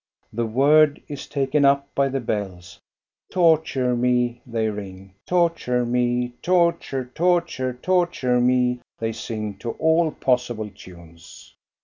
The word is taken up by the bells. "Torture me," they ring. "Torture me, torture, torture, tor ture me," they sing to all possible tunes.